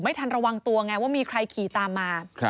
ทันระวังตัวไงว่ามีใครขี่ตามมา